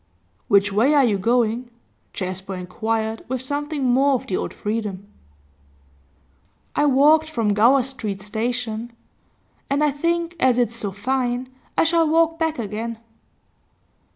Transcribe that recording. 'Which way are you going?' Jasper inquired, with something more of the old freedom. 'I walked from Gower Street station, and I think, as it's so fine, I shall walk back again.